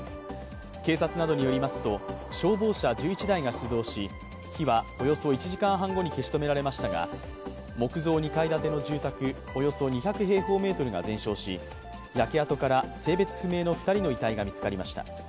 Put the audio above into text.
警察などによりますと、消防車１１台が出動し火はおよそ１時間半後に消し止められましたが木造２階建ての住宅およそ２００平方メートルが全焼し焼け跡から性別不明の２人の遺体が見つかりました。